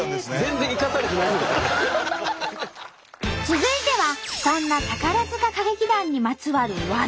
続いてはそんな宝塚歌劇団にまつわる「技」！